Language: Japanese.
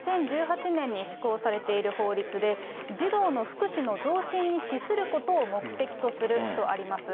２０１８年に施行されている法律で、児童の福祉の増進に資することを目的とするとあります。